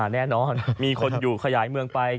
แน่นอนมีคนอยู่ขยายเมืองไป